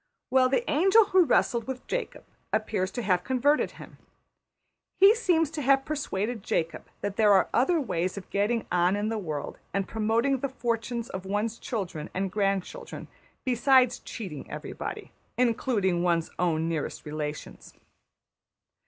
Well, the angel who wrestled with Jacob appears to have converted him. He seems to have persuaded Jacob that there are other ways of getting on in the world and promoting the fortunes of one's children and grandchildren besides cheating everybody, including one's own nearest relations.